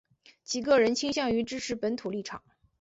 其个人倾向于支持本土立场。